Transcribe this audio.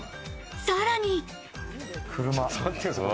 さらに。